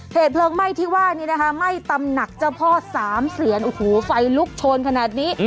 เหตุเพลิงไหม้ที่ว่านี้นะคะไหม้ตำหนักเจ้าพ่อสามเสียนโอ้โหไฟลุกโชนขนาดนี้